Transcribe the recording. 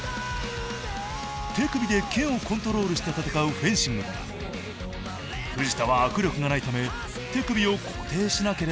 手首で剣をコントロールして戦うフェンシングだが藤田は握力がないため手首を固定しなければならない。